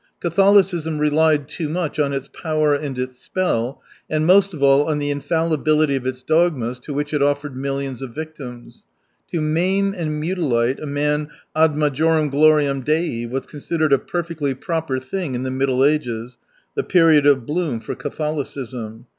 Catholicism relied too much on its power and its spell, and most of all on the infallibility of its dogmas to which it offered millions of victims. To maim and mutilate a man ad majorem gloriam Dei was considered a perfectly proper thing in the Middle Ages, the period of bloom for Catholicism.